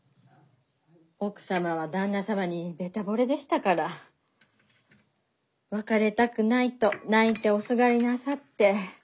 奥様は旦那様にべたぼれでしたから別れたくないと泣いておすがりなさって。